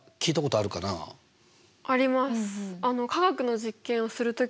あります。